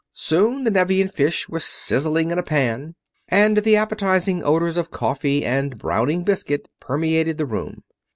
Soon the Nevian fish were sizzling in a pan and the appetizing odors of coffee and browning biscuit permeated the room.